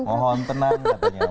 mohon tenang katanya